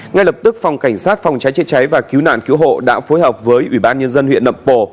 ngay lập tức phòng cảnh sát phòng trái chế cháy và cứu nạn cứu hộ đã phối hợp với ubnd huyện nậm pồ